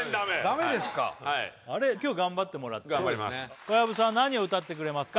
ダメですか今日頑張ってもらって頑張ります小籔さん何を歌ってくれますか？